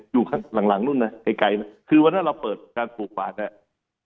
อยู่ข้างหลังหลังนู้นนะไกลนะคือวันนั้นเราเปิดการปลูกบาทเนี่ย